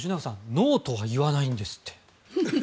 ノーとは言わないんですって。